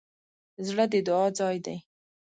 زړه د دعا ځای دی.